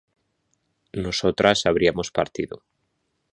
nosotras habríamos partido